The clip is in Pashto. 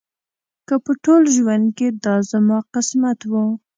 که په ټول ژوند کې دا زما قسمت و.